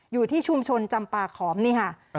อยู่ที่ชุมชนจำปาขอมนี่ค่ะ